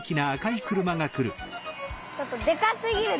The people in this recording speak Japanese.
ちょっとでかすぎる。